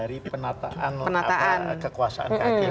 itu bagian dari penataan kekuasaan keakhiran